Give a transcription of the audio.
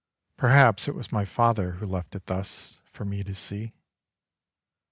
Perhaps it was my father Who left it thus For me to see.